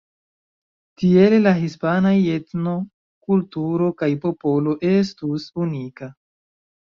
Tiele la hispanaj etno, kulturo kaj popolo estus unika.